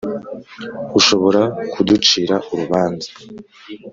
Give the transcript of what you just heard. Ushobora kuducira urubanza